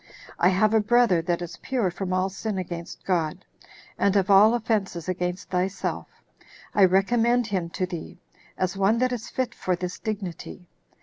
I have a brother that is pure from all sin against God, and of all offenses against thyself; I recommend him to thee, as one that is fit for this dignity."